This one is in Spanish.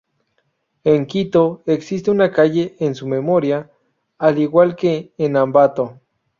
En Quito, existe una calle en su memoria, al igual que en Ambato.